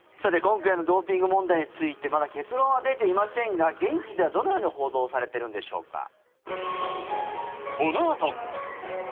今回のドーピング問題についてまだ結論は出ていませんが現地では、どのように報道されているんでしょうか？